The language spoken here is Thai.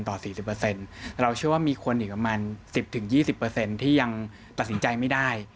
๔๐เราเชื่อว่ามีคนอีกประมาณ๑๐๒๐ที่ยังตัดสินใจไม่ได้